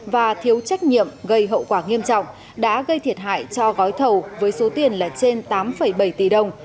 và thiếu trách nhiệm gây hậu quả nghiêm trọng đã gây thiệt hại cho gói thầu với số tiền là trên tám bảy tỷ đồng